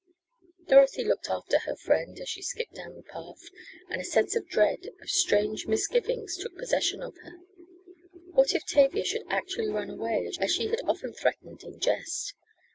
Dorothy looked after her friend as she skipped down the path, and a sense of dread, of strange misgivings, took possession of her. What if Tavia should actually run away as she had often threatened in jest!